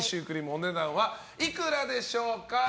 お値段はいくらでしょうか。